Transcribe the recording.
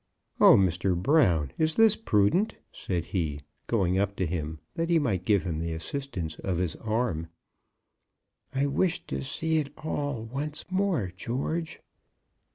"Oh, Mr. Brown, is this prudent?" said he, going up to him that he might give him the assistance of his arm. "I wished to see it all once more, George."